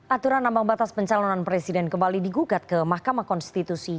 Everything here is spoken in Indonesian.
aturan ambang batas pencalonan presiden kembali digugat ke mahkamah konstitusi